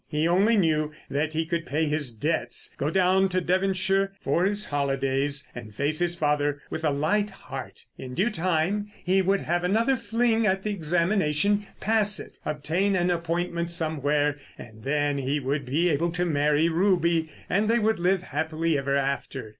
He only knew that he could pay his debts, go down to Devonshire for his holidays and face his father with a light heart. In due time he would have another fling at the examination, pass it, obtain an appointment somewhere, and then he would be able to marry Ruby and they would live happily ever after.